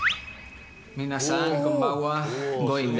皆さん、こんばんは。